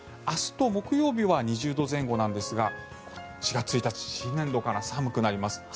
明日と木曜日は２０度前後なんですが４月１日、新年度から寒くなります。